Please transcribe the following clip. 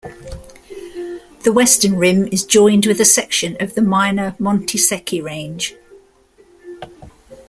The western rim is joined with a section of the minor Montes Secchi range.